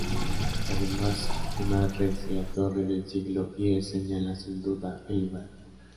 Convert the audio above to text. Además una recia torre del siglo X señala sin duda el lugar.